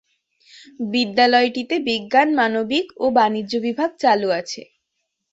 বিদ্যালয়টিতে বিজ্ঞান, মানবিক ও বাণিজ্য বিভাগ চালু আছে।